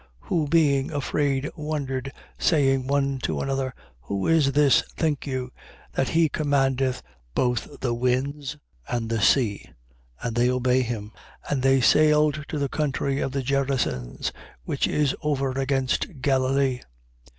Who being afraid, wondered, saying one to another: Who is this (think you), that he commandeth both the winds and the sea: and they obey him? 8:26. And they sailed to the country of the Gerasens, which is over against Galilee.